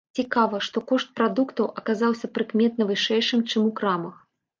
Цікава, што кошт прадуктаў аказаўся прыкметна вышэйшым чым у крамах.